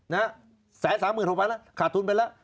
๑๓๖๐๐แล้วขาดทุนไปแล้ว